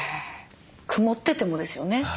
曇っててもですよね。